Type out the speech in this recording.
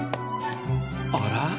あら？